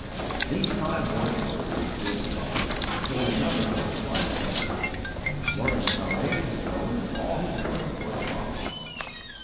These five words from the sixty eighth psalm became another of his life texts, one of the foundation stones of all his work for the fatherless.